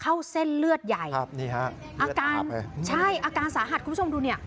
เข้าเส้นเลือดใหญ่อาการสาหัสคุณผู้ชมดูเนี่ย